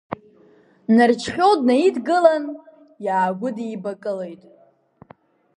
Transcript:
Нарџьхьоу днаидгылан, иаагәыдибакылеит.